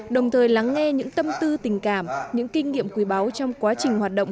đồng thời lắng nghe những tâm tư tình cảm những kinh nghiệm quý báu trong quá trình hoạt động